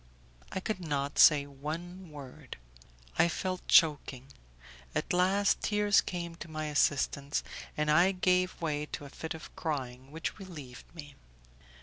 I could not say one word; I felt choking; at last tears came to my assistance, and I gave way to a fit of crying which relieved me.